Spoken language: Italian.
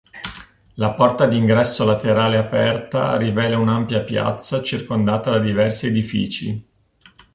La porta d'ingresso laterale aperta rivela un'ampia piazza circondata da diversi edifici.